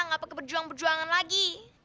gak pakai berjuang berjuangan lagi